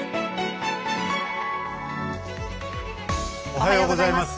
おはようございます。